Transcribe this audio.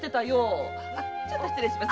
ちょっと失礼します。